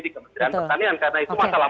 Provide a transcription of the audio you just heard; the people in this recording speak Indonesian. di kementerian pertanian karena itu masalah